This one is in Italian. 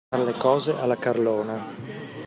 Far le cose alla carlona.